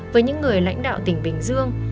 với những người lãnh đạo tỉnh bình dương